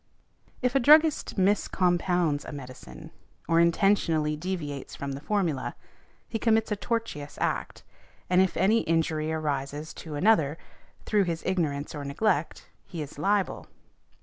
If a druggist miscompounds a medicine, or intentionally deviates from the formula, he commits a tortious act, and |179| if any injury arises to another through his ignorance or neglect he is liable.